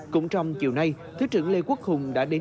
cũng trong chiều nay thứ trưởng lê quốc hùng đã đến